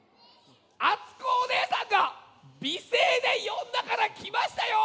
あつこおねえさんがびせいでよんだからきましたよ。